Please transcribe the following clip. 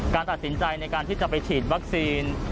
การตัดสินใจในการที่จะไปฉีดวัคซีน